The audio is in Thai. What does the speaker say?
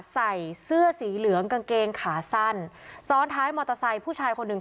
ใส่เสื้อสีเหลืองกางเกงขาสั้นซ้อนท้ายมอเตอร์ไซค์ผู้ชายคนหนึ่ง